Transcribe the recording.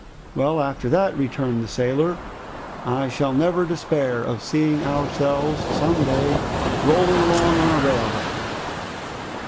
"Well, after that," returned the sailor, "I shall never despair of seeing ourselves some day rolling along on a railway!"